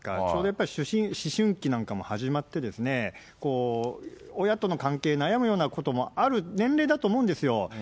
ちょうどやっぱ思春期なんかも始まって、親との関係、悩むようなこともある年齢だと思うんですよ。